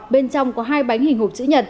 bên trong có hai bánh hình hộp chữ nhật